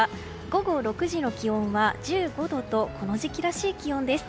午後６時の気温は１５度とこの時期らしい気温です。